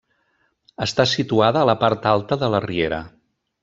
Està situada a la part alta de la Riera.